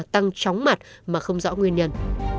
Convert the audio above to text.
tăng tróng mặt mà không rõ nguyên nhân